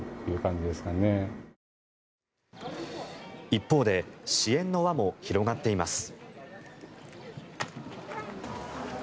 一方で支援の輪も広がっています。